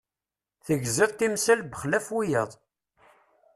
Tegziḍ timsal bexlaf wiyaḍ.